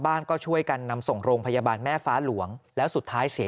บ้านก็ช่วยกันนำส่งโรงพยาบาลแม่ฟ้าหลวงแล้วสุดท้ายเสีย